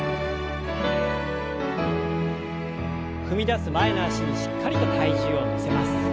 踏み出す前の脚にしっかりと体重を乗せます。